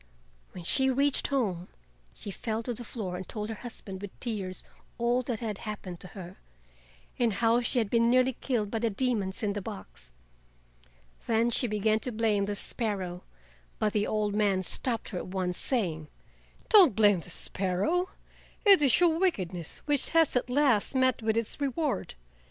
When she reached home she fell to the floor and told her husband with tears all that had happened to her, and how she had been nearly killed by the demons in the box. Then she began to blame the sparrow, but the old man stopped her at once, saying: "Don't blame the sparrow, it is your wickedness which has at last met with its reward.